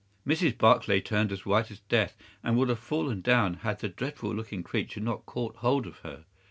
Mrs. Barclay turned as white as death, and would have fallen down had the dreadful looking creature not caught hold of her.